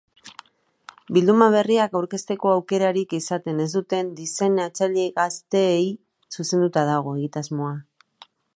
Bilduma berriak aurkezteko aukerarik izaten ez duten diseinatzaile gazteei zuzenduta dago egitasmoa.